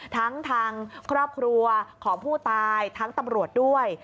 ทั้งทางครอบครัวของผู้ตายทั้งตำรวจด้วย